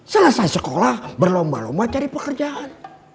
selesai sekolah berlomba lomba cari pekerjaan